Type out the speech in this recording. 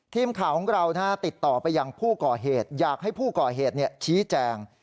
ทีมข่าวของเราติดต่อไปยังผู้ก่อเหตุอยากให้ผู้ก่อเหตุชี้แจง